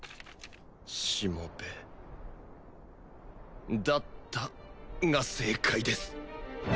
しもべだったが正解です